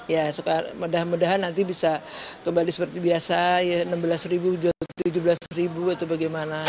ya mudah mudahan nanti bisa kembali seperti biasa ya enam belas ribu tujuh belas ribu atau bagaimana